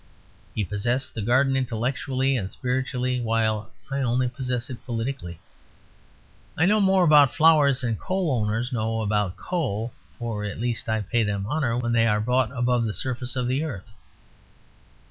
He possessed the garden intellectually and spiritually, while I only possessed it politically. I know more about flowers than coal owners know about coal; for at least I pay them honour when they are brought above the surface of the earth.